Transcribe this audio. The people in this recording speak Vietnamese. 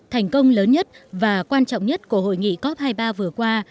thành công lớn nhất và quan trọng nhất của hội nghị cop hai mươi ba vừa qua